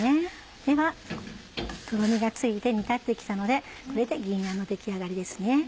ではとろみがついて煮立って来たのでこれで銀あんの出来上がりですね。